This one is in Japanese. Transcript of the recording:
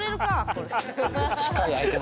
これ。